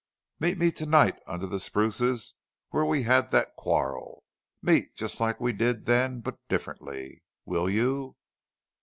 "Meet me to night, under the spruces where we had that quarrel. Meet just like we did then, but differently. Will you?"